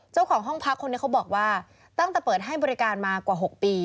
เจ้าของห้องพักคนนี้เขาบอกว่าตั้งแต่เปิดให้บริการมากว่า๖ปี